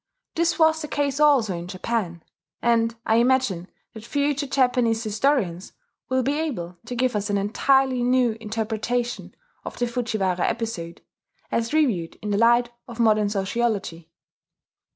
This was the case also in Japan; and I imagine that future Japanese historians will be able to give us an entirely new interpretation of the Fujiwara episode, as reviewed in the light of modern sociology.